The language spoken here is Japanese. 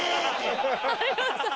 有吉さん